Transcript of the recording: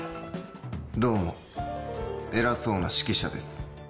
どうも偉そうな指揮者です。